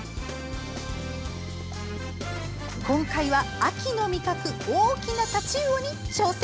今回は秋の味覚大きなタチウオに挑戦！